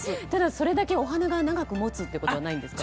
それだけお花が長くもつことはないんですか？